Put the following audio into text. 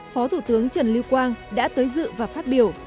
phó thủ tướng trần lưu quang đã tới dự và phát biểu